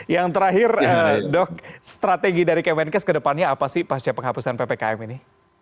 yang terakhir dok strategi dari kmnk ke depannya apa sih pasca penghapusan ppkm ini